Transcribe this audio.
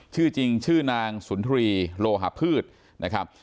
ชื่อจริงชื่อนางสุนทรีโลหะพืชนะครับ